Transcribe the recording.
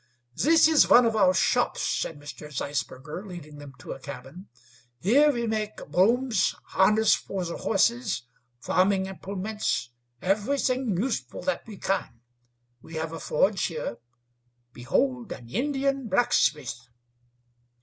"This is one of our shops," said Mr. Zeisberger, leading them to a cabin. "Here we make brooms, harness for the horses, farming implements everything useful that we can. We have a forge here. Behold an Indian blacksmith!"